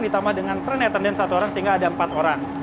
ditambah dengan trend attendance satu orang sehingga ada empat orang